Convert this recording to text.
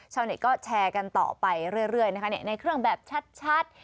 ชาวเน็ตก็แชร์กันต่อไปเรื่อยนะคะในเครื่องแบบชัด